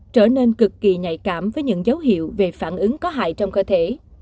trở nên cực kỳ nhạy cảm với những dấu hiệu về phản ứng có hại trong cơ thể